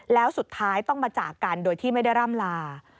แล้วสุดท้ายต้องมาจากกันโดยที่ไม่ได้ร่ำลา